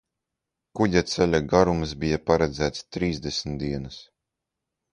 Kuģa ceļa garums bija paredzēts trīsdesmit dienas.